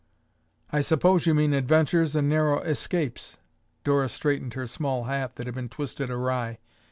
"I suppose you mean adventures and narrow escapes." Dora straightened her small hat that had been twisted awry.